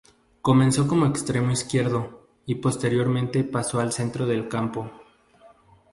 Comenzó como extremo izquierdo y posteriormente pasó al centro del campo.